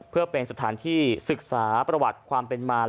เพื่อเป็นสถานที่ศึกษาประวัติความเป็นมาร